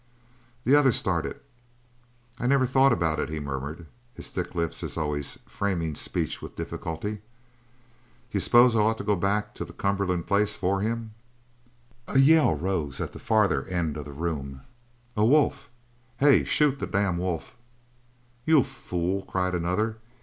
The other started. "I never thought about it," he murmured, his thick lips, as always, framing speech with difficulty. "D'you s'pose I'd ought to go back to the Cumberland place for him?" A yell rose at the farther end of the room. "A wolf! Hey! Shoot the damn wolf!" "You fool!" cried another.